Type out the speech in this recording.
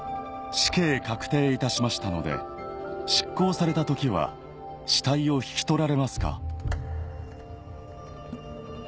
「死刑確定いたしましたので執行された時は死体を引き取られますか」